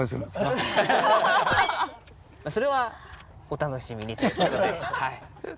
それはお楽しみにという事で。